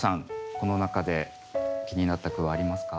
この中で気になった句はありますか？